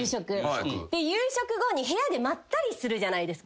夕食後に部屋でまったりするじゃないですか。